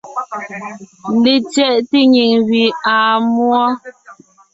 LetsyɛꞋte nyìŋ gẅie àa múɔ.